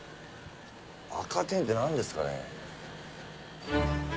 赤てんって何ですかね？